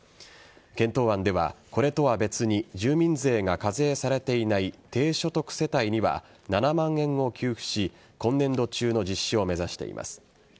検討案では、これとは別に住民税が課税されていない低所得世帯には７万円を給付し今年度中の実施を目指しています。